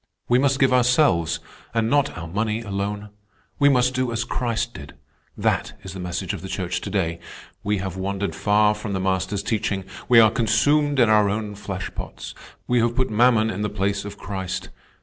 "We must give ourselves and not our money alone. We must do as Christ did; that is the message of the Church today. We have wandered far from the Master's teaching. We are consumed in our own flesh pots. We have put mammon in the place of Christ.